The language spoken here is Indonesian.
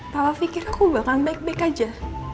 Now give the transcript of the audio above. papa pikir aku bahkan baik baik aja